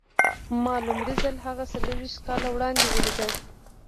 ما لومړی ځل هغه څلور ويشت کاله وړاندې وليد.